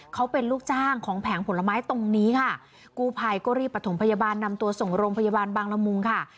เขาเป็นลูกจ้างของแผงผลไม้ตรงนี้ค่ะกู้ภัยก็รีบประถมพยาบาลนำตัวส่งโรงพยาบาลบางละมุงค่ะ